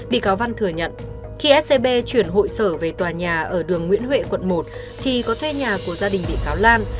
bị cáo văn thừa nhận khi scb chuyển hội sở về tòa nhà ở đường nguyễn huệ quận một thì có thuê nhà của gia đình bị cáo lan